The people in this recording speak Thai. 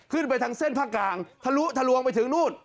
ขึ้นไปทางเส้นภาคกลางทะลุทะลวงไปถึงนู่น